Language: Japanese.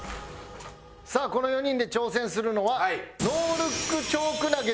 さあこの４人で挑戦するのは。